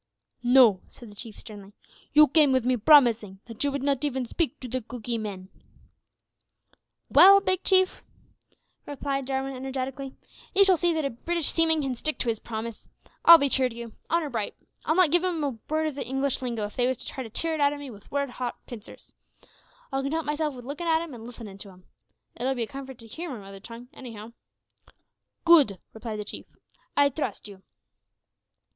"No," said the Chief sternly. "You came with me promising that you would not even speak to the Cookee men." "Well, Big Chief," replied Jarwin, energetically, "you shall see that a British seaman can stick to his promise. I'll be true to you. Honour bright. I'll not give 'em a word of the English lingo if they was to try to tear it out o' me wi' red hot pincers. I'll content myself wi' lookin' at 'em and listenin' to 'em. It'll be a comfort to hear my mother tongue, anyhow." "Good," replied the Chief, "I trust you."